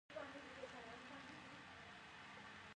کاناډا د ودانیو شرکتونه لري.